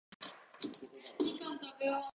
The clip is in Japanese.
この言葉を言おう。